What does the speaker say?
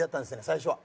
最初は。